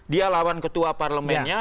dia lawan ketua parlemennya